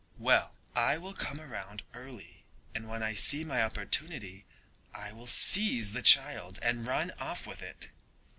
Well, I will come round early and when I see my opportunity I will seize the child and run off with it."